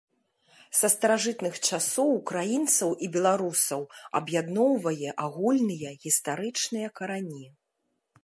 Са старажытных часоў ўкраінцаў і беларусаў аб'ядноўвае агульныя гістарычныя карані.